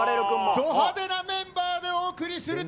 ど派手なメンバーでお送りす